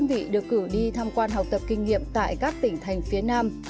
các quý vị được cử đi thăm quan học tập kinh nghiệm tại các tỉnh thành phía nam